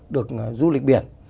được du lịch biển